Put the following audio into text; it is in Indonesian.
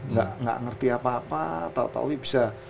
nggak ngerti apa apa tau taunya bisa